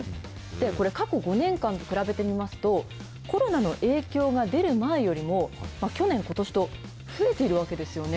これ、過去５年間で比べてみますと、コロナの影響が出る前よりも、去年、ことしと増えているわけですよね。